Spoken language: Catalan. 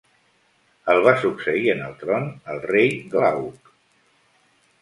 El va succeir en el tron el rei Glauc.